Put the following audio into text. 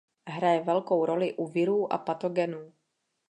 Hraje velkou roli u virů a patogenů.